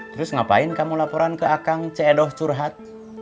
terus ngapain kamu laporan ke akang cik edo curhat